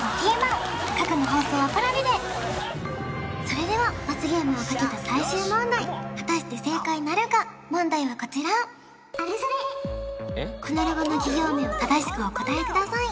それでは罰ゲームをかけた最終問題果たして正解なるか問題はこちらこのロゴの企業名を正しくお答えください